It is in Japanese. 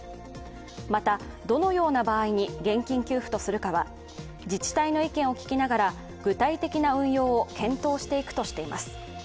また、どのような場合に現金給付とするかは自治体の意見を聞きながら具体的な運用を検討していくとしています。